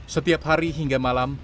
setiap hari hingga malam